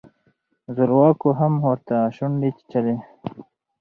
زورواکو هم ورته شونډې چیچلې.